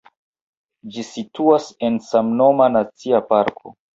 Ĝi situas en samnoma nacia parko.